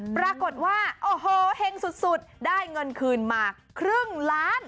ปรากฏว่าโอ้โหเห็งสุดได้เงินคืนมาครึ่งล้าน